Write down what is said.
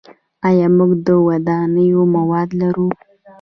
آیا موږ د ودانیو مواد لرو؟